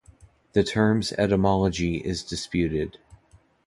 The term's etymology is disputed.